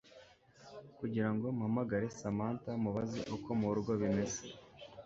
kugira ngo mpamagare Samantha mubaze uko murugo bimeze